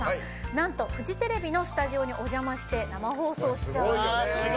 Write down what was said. なんとフジテレビのスタジオにお邪魔して生放送しちゃうんです。